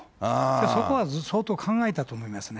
そこは相当考えたと思いますね。